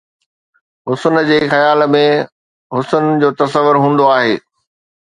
حُسن جي خيال ۾ حسن جو تصور هوندو آهي